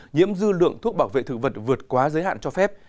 nhiễm dư lượng thuốc bảo vệ thực vật vượt quá giới hạn cho phép